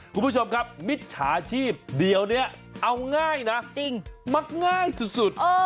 คุณผู้ชมครับมิจฉาชีพเดี๋ยวนี้เอาง่ายนะจริงมักง่ายสุด